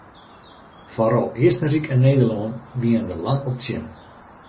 Foaral Eastenryk en Nederlân wiene der lang op tsjin.